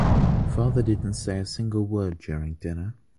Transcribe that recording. Father didn’t say a single word during dinner.